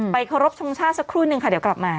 เคารพทรงชาติสักครู่นึงค่ะเดี๋ยวกลับมา